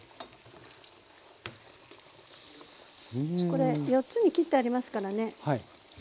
これ４つに切ってありますからね。